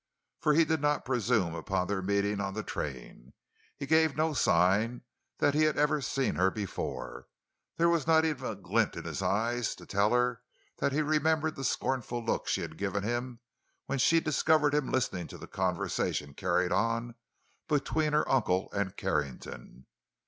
For he did not presume upon their meeting on the train; he gave no sign that he had ever seen her before; there was not even a glint in his eyes to tell her that he remembered the scornful look she had given him when she discovered him listening to the conversation carried on between her uncle and Carrington.